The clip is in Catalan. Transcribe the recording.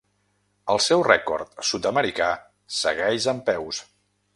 El seu rècord sud-americà segueix en peus.